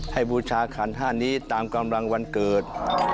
บูชาขันห้านี้ตามกำลังวันเกิด